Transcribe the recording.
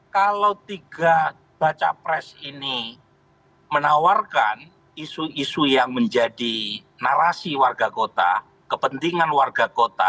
kalau tiga baca pres ini menawarkan isu isu yang menjadi narasi warga kota kepentingan warga kota